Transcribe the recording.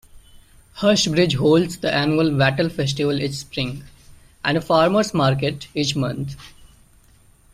Hurstbridge holds the annual Wattle Festival each spring, and a farmer's market each month.